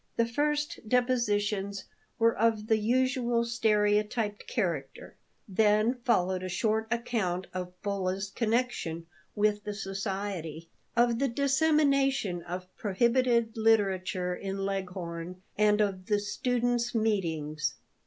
The first depositions were of the usual stereotyped character; then followed a short account of Bolla's connection with the society, of the dissemination of prohibited literature in Leghorn, and of the students' meetings.